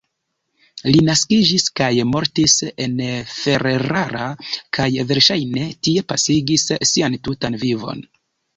Li naskiĝis kaj mortis en Ferrara, kaj verŝajne tie pasigis sian tutan vivon.